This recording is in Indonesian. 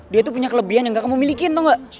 dia tuh punya kelebihan yang gak kamu milikin atau enggak